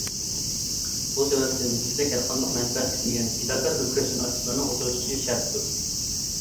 بۇ سەۋەبتىن، بىزدەك ھەر قانداق مەنپەئەت كۈتمىگەن، پىداكار بىر كۈرەشچان ئاكتىپلارنىڭ ئوتتۇرىغا چىقىشى شەرتتۇر.